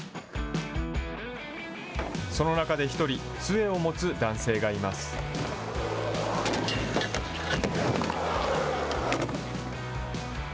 その中で１人、つえを持つ男性がいます。